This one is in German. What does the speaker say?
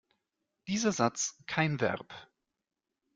Dieser Satz kein Verb.